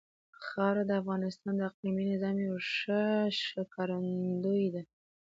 خاوره د افغانستان د اقلیمي نظام یوه ښه ښکارندوی ده.